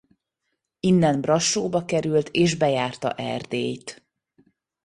Innen Brassóba került és bejárta Erdélyt.